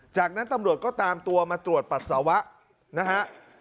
จากนั้นตำรวจก็ตามตัวมาตรวจปัสสาวะนะฮะ